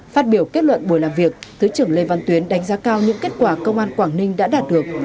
phát biểu kết luận buổi làm việc thứ trưởng lê văn tuyến đánh giá cao những kết quả công an quảng ninh đã đạt được